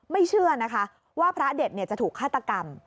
เชื่อนะคะว่าพระเด็ดจะถูกฆาตกรรม